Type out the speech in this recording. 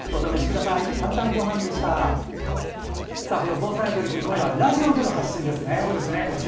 防災の取り組みラジオでの発信ですね。